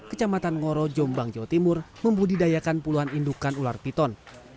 kecamatan ngoro jombang jawa timur membudidayakan puluhan indukan ular piton